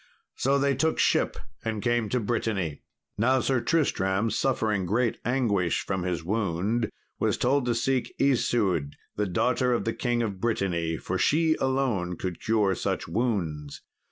So they took ship and came to Brittany. Now Sir Tristram, suffering great anguish from his wound, was told to seek Isoude, the daughter of the King of Brittany, for she alone could cure such wounds.